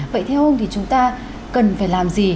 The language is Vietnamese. vậy theo ông thì chúng ta cần phải làm gì